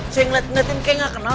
saya ngeliat ngeliatin kayak gak kenal